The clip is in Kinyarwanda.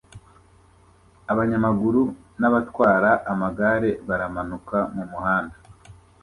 Abanyamaguru n'abatwara amagare baramanuka mu muhanda